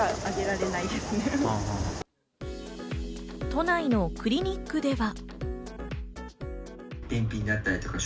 都内のクリニックでは。